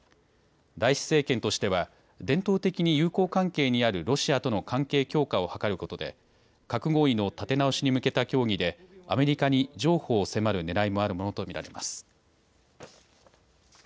ライシ政権としては伝統的に友好関係にあるロシアとの関係強化を図ることで核合意の立て直しに向けた協議でアメリカに譲歩を迫るねらいもあるものと見られます。